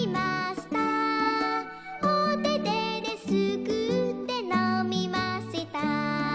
「おててですくってのみました」